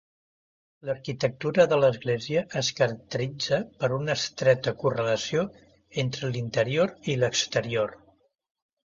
L'arquitectura de l'església es caracteritza per una estreta correlació entre l'interior i l'exterior.